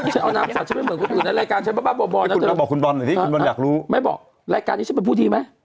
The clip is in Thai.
คุณบอลเราอยากรู้ไม่บอกรายการที่คุณบอลหรือ